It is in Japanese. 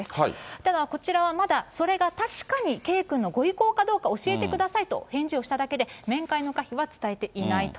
ただこちらはまだ、それが確かに圭君のご意向かどうか教えてくださいとお返事をしただけで、面会の可否は伝えていないと。